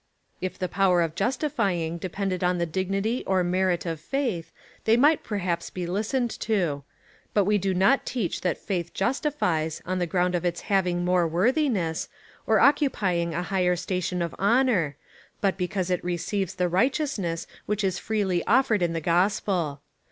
If the power of justifying depended on the dignity or merit of faith, they might perhaps be listened to ; but we do not teach that faith justifies, on the ground of its having more worthiness, or occupying a higher station of honour, but because it receives the righteousness Avhich is freely offered in the gospel.